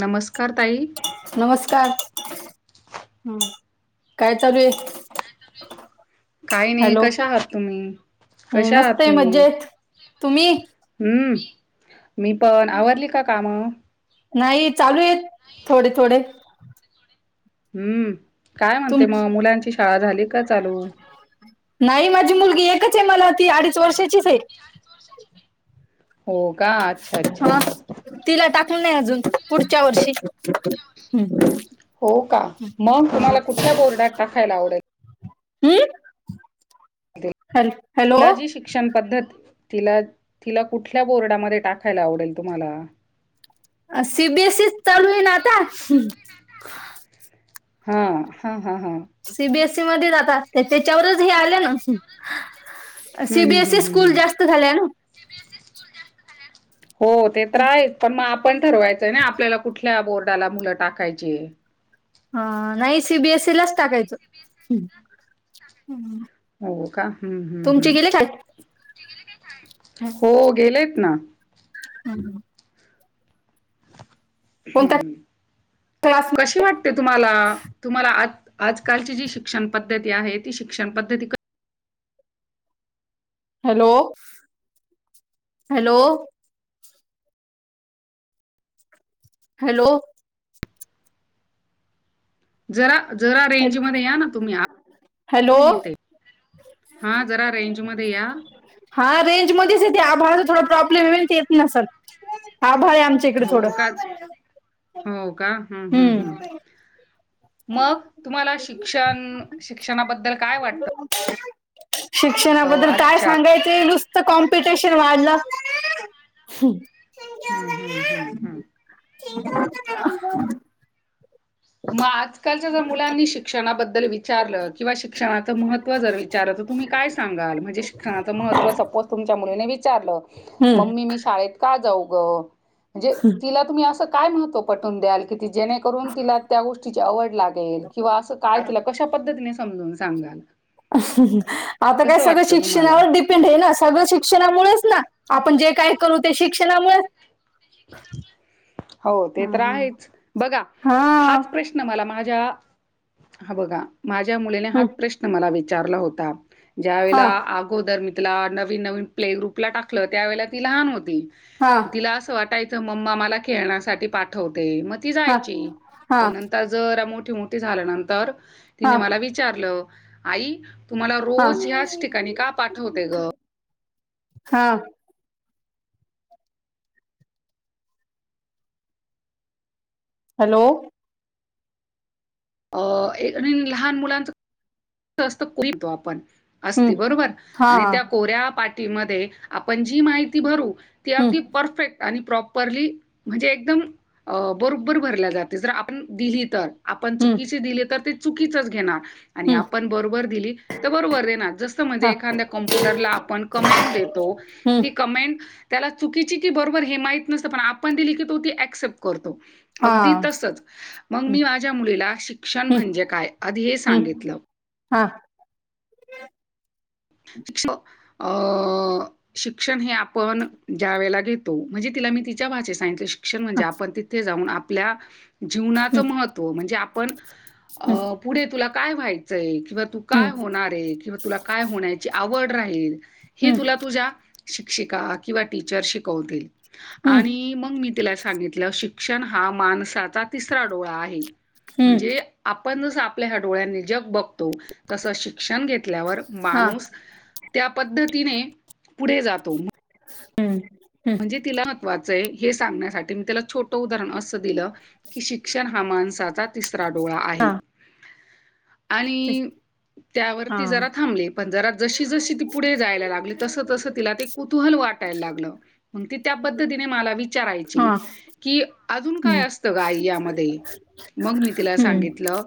नमस्कार ताई हम् काय चालू काही नाही हॅलो कशा आहात तुम्ही हम्म, कशा मस्त आहात आहे तुम्ही मज्जेत तुम्ही हम्म मी पण आवरली का काम नाही चालू आहेत थोडे थोडे हम्म काय तुम म्हणते मग मुलांची शाळा झाली का चालू नाही माझी मुलगी एकच आहे मला ती अडीच वर्षाचीच आहे हो का अच्छा अच्छा हा तिला नाही अजून पुढच्या वर्षी ह हो का मग तुम्हाला कुठल्या बोर्डात टाकायला आवडेल हमम शलाजी शिक्षण पद्धत तिला तिला कुठल्या बोर्डामध्ये टाकायला आवडेल तुम्हाला अ सीबीएसई चालू आहे ना आता हा हा हा हा त्याच्या हे आ ना हं, हं, हं, सीबीएसई हं, स्कूल हं. जास्त झाले ना हो ते तर आहेच पण मग आपण ठरवायचंय ना आपल्याला कुठल्या बोर्डाला मुलं टाकायची हा नाही सीबीएसईलाच टाकायचं हो का हम्म हम् तुमचे गेले शाळेत हम्म हो गेलेत ना, हम [unintelligible] हम्म क्लास कशी वाटते तुम्हाला तुम्हाला, आज आजकालची जी शिक्षण पण, पद्धती आहे ती शिक्षण पद्धती हॅलो [unintelligible] हॅलो, हॅलो जरा जरा हॅल- रेंज मध्ये या ना तुम्ही आवाज हॅलो नाही येत. हा जरा रेंज मध्ये या. [unintelligible] ते आबाळा चा थोडा पोर्ब्लेम आहे ना ते येत नसेल, हो का हो का हम्म हम्म हम्म, मग तुम्हाला शिक्षण शिक्षणाबद्दल काय वाटतं? शिक्षणाबद्दल काय आजच्या सांगायच नुसतं कॉम, पिटेशन वाढलं! हं, हं, हं, हं. [unintelligible] मग आजकालच्या जर मुलांनी शिक्षणाबद्दल विचारलं किंवा शिक्षणाचं महत्त्व जर विचारत. तुम् काय सांगाल म्हणजे श्षणा मह सपोज तुमच्या मुली न विचार हम्म मम्मी मी शळेत का जाऊ? म्हणजे तिला तुम्ही अस काय म्हह पटून द्याल की जेणेकरून तिला, त्या गोष्टीची आवड लागेल. किंवा असं काय तिला कशा पद्धतीने समजून सांगाल? आता काय कसं सगळं वाटतं तुम्हाला? शिक्षणावर डिपेंड आहे. ना सगळं शिक्षणामुळेच ना आपण जे काय, करू ते शिक्षणामुळे हो ते तर हम्म. आहेच बघा हा हाच प्रश्न मला माझ्या, हा बघा माझ्या मुलीने हा हम्म. प्रश्न मला विचारला होता. ज्या हा वेळेला अगोदर मी तिला नवीन, नवीन प्ले ग्रुपला टाकलं त्यावेेळे ती लहान होती. हा तिला असं वाटायचं मम्मा मला खेळण्यासाठी पाठवत. ते मग ती हा जायची, हा पण नंतर जर मोठी मोठी झाल्यानंतर. तिने हा मला विचारलं आई? तु मला रोज ह्याच ठिकाणी हा का पाठवते ग? हा, हॅलो, अ ए आणि लहान मुलांच हट्ट असत, तरी तो पण, हम्म असती बरोबर हा आणि त्या कोऱ्या पाठीमध्ये आपण जी माहिती भरू, ती हम्म अगदी परफेक्ट, आणि प्रॉपरली म्हणजे एकदम अ.. बरोबर भरल्या जाते जर आपण दिली तर, आपण हम्म चुकीचे दिले तर ते चुकीचच घेणार आणि हम्म आप पण बरोबर दिली तर बरोबर दे जस हा म्हणजे एखाद्या कमप्युटरला आपण कमेंट देतो. हम्म की कमेंट त्याला चुकीची की बरोबर हे माहीत नसतं. पण आपण दिली की तो ती ऍक्सेप्ट करतो. हा अगदी तसच, मग हम्म मी माझ्या मुलीला शिक्षण म्हणजे काय आधी हे हम्म सांगितलं. हा, शिक्ष. शिक्षण हे आपण ज्यावेळेला घेतो म्हणजे तिला, मी तिच्या भाषेत सांगितलं. म्हणजे आपण तिथे जाऊन आपल्या हम्म जीवनाचं महत्त्व म्हणजे आपण हम्म अ पुढे तुला काय व्हायचंय, किंवा तू हम्म काय होणार, आहे किंवा तुला काय होण्याची आवड राहील ही हम्म तुला तुझ्या, शिक्षिका किंवा टीचर शिकवतील. हम्म आणि मग मी तिला सांगितलं शिक् शण हा माणचा तिसरा डोळा आहे. हम्म म्हणजे आपण जसं आपल्या ह्या डोळ्या नि जग बघतो तसं शिक्षण घेतल्यावर हा माणूस त्या पद्धतीने, पुढे जातो हम्म हम्म म्हणजे तिला, वाचाय येईल, हे सांगण्यासाठी मी तिला छोटं उदाहरण, असं दिलं की शिक्षण हा माणसाचा, तिसरा डोळा हा आहे आणि हा त्यावरती जरा थांबली पण जरा जशी जशी ती पुढे जायला लागली तस तस तिला ते कुतूहल वा वाटाय लागलं म्हणून ती त्या पद्ती मला वि हा चारायची की अजून काय हम्म असत ग आई या मध्ये मग मी तिला हम्म सांगित लं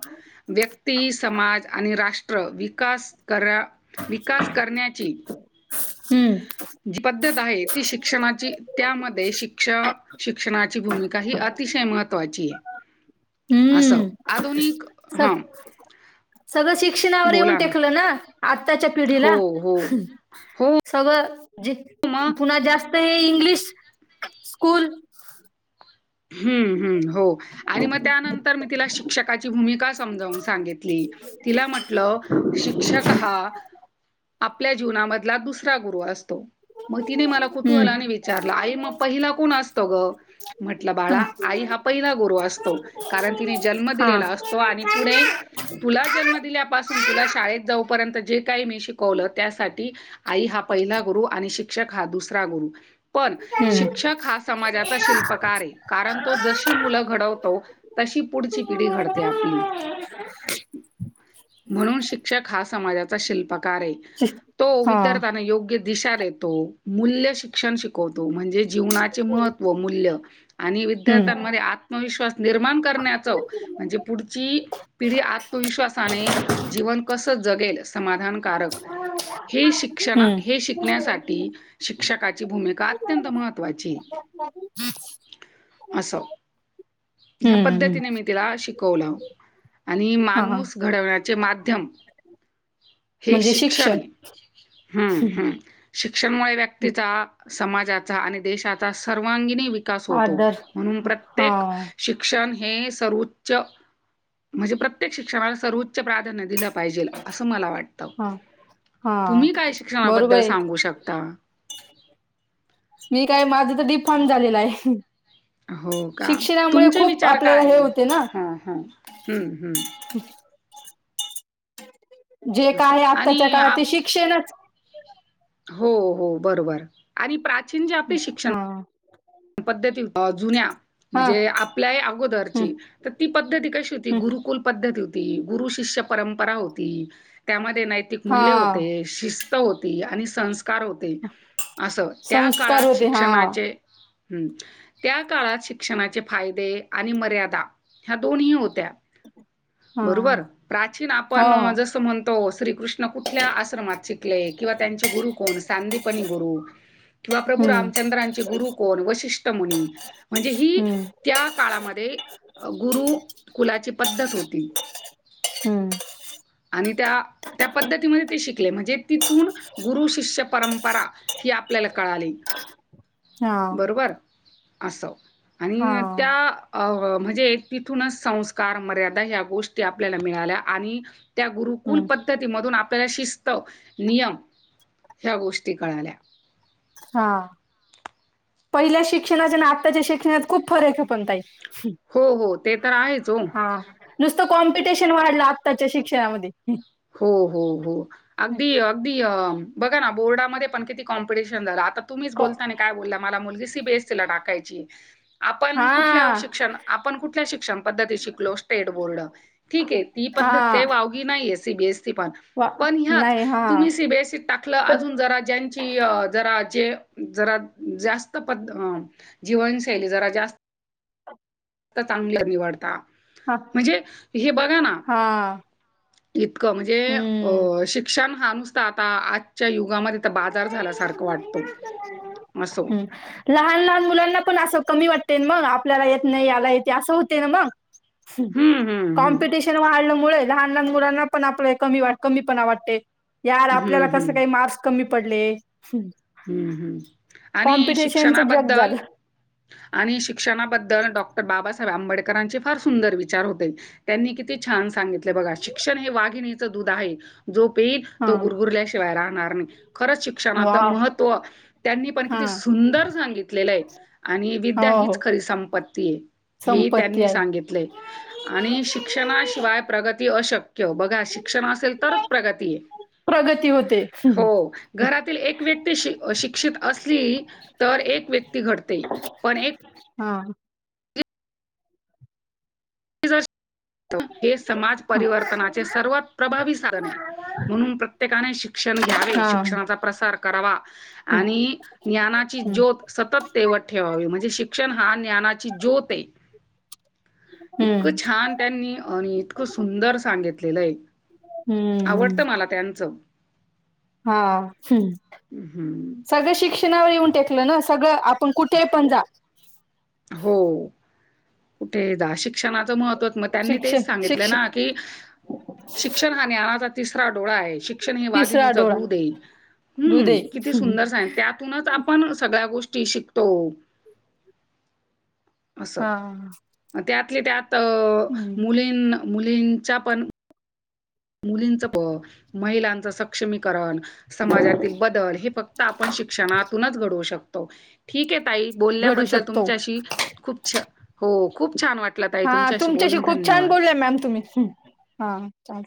व्यक्ती समाज आणि राष् ट्र विकास करा. करण्याची हम्म जी पद्धत आहे ती शिक्षणाची त्यामध्ये शिक्ष शि शिक्षणाची भूमिका ही अतिशय महत्त्वाची आहे असं हम्म आधुनिक हा सख सगळं शिक्षणावर येऊन टेकलं ना आत आताच्या पिढीला हो हो हो सगळं जित.. मग पुन्हा जास्त हे इंग्लिश स्कूल हम्म हम्म हो आणि मग त्यानंतर मी तिला शिक्षकाची भूमिका समजवून सांगितली तिला म्हटलं शिक्षक हा ह आपल्या जीवनामधला दुसरा गुरु अस तो मग तिने मला कुतुहलाने हम्म विचारला आई मग पहिला कोण असतो ग म्हटलं हा बाळा आई हा पहिला गुरु असतो कारण तिने जन्म हा दिलेला असतो आणि पुढे तुला जन्म दिल्यापासून तुला शाळेत जाऊपर्यंत जे आई नि शिकवलं त्यासाठी आई हा पहिला गुरु आणि शिक्षक हा दुसरा गुरु. पण हम्म. शिक्षक हा समाजाचा शिल्प कार कारण तो जशी मुलं घडवतो तशी पुढची पिढी घडते आपली. म्हणून शिक्षक हा समाजा चा शिल्प आहे तो हा. विद्यार्थ्यांना योग्य दिशा देतो मूल्य शिक्षण शिकवतो म्हणजे जीवनाचे महत्त्व मूल्य आणि हम्म. विद्यार्थ्यांमध्ये आत्मविश्वास निर्माण करण्याच म्हणजे पुढची पिढी आत आत्मविश्वासाने जीवन कस जगेल समाधानकारक हे शिक्षणा हम्म. हे शिकण्यासाठी शिक्षकाची भूमिका अत्यंत महत्वाची आहे. [unintelligible] अस हम्म. ह्या हम्म. पद्धतीने मी तिला शिकवलं. आणि हा हा. माणूस घडवण्याचे माध्यम हे शिक्षण आहे हम्म हम्म. शिक्षण मुळे व्यक्तीचा समाजाचा आणि देशाचा सर्वांगिणी विकास होतो आदर म्हणून हा. प्रत्येक शिक्षण हे सर्वोच्च म्हणजे प्रत्येक शिक्षणाला सर्वोच्च प्राधान्य दिलं पाहिजेल असं मला वाटतं. हा. हा. तुम्ही काय बरोबर शिक्षणाबद्दल आहे. सांगू शकता. मी काय माझं तर डिफॉर्म झालेलाय आहे. हो का शिक्षणामुळे तुमचे खूप विचार आपल्याला काय हे आहे होते ना. हा हा हम्म हम्म. जे काय असं आहे आत्ताच्या आणि काळात ते आप शिक्षणच हो हो बरोबर आणि प्रा हा पद्धती अ जुन्या हा. म्हणजे आपल्या ही हम्म. अगोदरची तर ती पद्धती कशी होती हम्म. गुरुकुल पद्धती हो ती गुरु शिष्य परंपरा होती त्यामध्ये नैतिक हा. मूल्य होते शिस् त होती आणि संस्कार होते असं त्या संस्कार काळात होते. हा. शिक्षणाचे ह् त्या काळात शिक्षणाचे फायदे आणि मर्यादा ह्या दोनही होत्या. हा. बरोबर प्राचीन हो, आपण हो. जसं म्हणतो श्रीकृष्ण कुठल्या आश्रमात शिकले किंवा त्यांचे गुरु कोण सांदीपनी गुरु किंवा प्रभू हं, रामचंद्रांचे गुरु कोण वशिष्ट मुनी म्हणजे ही हं, त्या काळामध्ये गुरु कुलाची पद्धत होती. हं. आणि त्या त्या पद्धतीमध्ये ते शिकले म्हणजे तिथून गुरु शिष्य परंपरा ती आपल्याला कळाली. हा असो आणि त्या अ अ म्हणजे तिथूनच संस्कार मर्यादा ह्या गोष्टी आपल्याला मिळाल्या आणि त्या गुरुकुल हं, पद्धती मधून आपल्याला शिस् त नियम ह्या गोष्टी कळाल्या. हा पहिल्या शिक्षणाच्या न आत्ताच्या शिक्षणात खूप फरक आहे पण ताई. हो हो. ते तर आहेच हो. हा नुसतं कॉम्पिटिशन वाढलं आत्ताच्या शिक्षणामध्ये. हो हो हो अगदी अगदी अ बघा ना बोर्डामध्ये पण किती कॉम्पटिशन झालं आता तुम्हीच कॉ बोलताना काय बोलला मला मुलगी सी बी एस सी ला टाकायची आपण कुठल्या हां, शिक्षण आपण कुठल्या शिक्षण पद्धती शिकलो स्टेट बोर्ड ठीक आहे ती प पद्धत काही हां. वावगी नाहीेए सीबीएसी पण वा पण ह्याच नाही हां. तुम्ही सीबीएसईत टाकलं पण अजून जरा ज्यांची अ जरा जे जरा जास्त पद्ध जीवशैली जरा जास् त चांगलं निवडता हां, म्हणजे हे बघा ना हां. इतकं म्हणजे हं, अ शिक्षण हा नुसता आता आजच्या युगामध्ये आ बाजार झाल्यासारखं वाटतो अस हं. लहान-लहान मुलांना पण असं कमी वाटते मग आपल्याला येत नाही याला येते असं होते ना मग हम्म हम्म हम्म कॉम्पिटिशन वाढल्यामुळे लहान लहान मुलांना पण आपल्या कमी कमी पण वाटते या हम्म आपल्याला कसं हम्म काही मास् पडले हम्म हम्म आणि कॉम्पिटिशनचं जग शिक्षणाबद्दल झालं आणि शिक्षणाबद्दल डॉक्टर बाबासाहेब आंबेडकर फ सुंदर विचार होते त्यांनी किती छान सांगितले बघा श्षण हे वा दध आहे जो पल हा तो गुरुरल्याशिवाय राहणार नाही खरच शिक्षण वाव महत्व त्यांनी पण हा किती सुंदर सांगितलेलं आहे आणि हो विद्या हो हीच खरी सं हे संपत्ती त्यांनी आहे सांगितले आणि शिक्षणाशिवाय प्रगती अशक बघा शिक्षण असेल तरच प्रगती आहे प्रगती होते हो घरातील एक व्यक्ती श शिक्षित असली तर एक व्यक्ती घडते पण एक हा हे समाज हा परिवर्तनाचे सर्वात प्रभावी साधन आहे म्हणून प्रत्येकाने शिक्षण घ्यावे हा शिक्षणाचा प्रसार ज हम्म ज्योत स तेव ठेवा म्ह श शिक्षण हा ज्ञानाची ज्योत आहे हम्म इतकं छान त्यांनी आणि इतकं सुंदर सांगितलेलं एक हम्म आवडतं मला त्यांचं हा हम्म. सगळं शिक्षणावर येऊन टेकलं ना सगळं पण कुठे पण हो जा हो कुठे दशिक श्षणाच महव त्यांनी ते शिक्षण सांगितलं ना शिक्षण क शिक्षण ह तिसरा डोळा आहे शिक्षण हे तिसरा वाघिणीचा डोळा दूध आहे हम्म दुधे किती सुंदर सग त्यातूनच आपण सगळ्या गोष्टी शिकतो अस हा त्यातले त्यात हम्म मुलीन मुलींचा पण मुलींच प महिलांचा सक्षमी समाजातील बदल हे फक्त आपण शिक्षणातूनच घडवू शकतो ठीक आहे घडू बल्याबद्दल शकतो तुमच्याशी खूप खूप छान वाट हा तुमच्याशी खूप छान बोललाय मॅम तुम्ही हा चाल